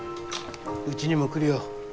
うちにも来るよ。